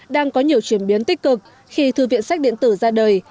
đang có nhiều chuyển biến tích cực khi thư viện sách điện tử ra đời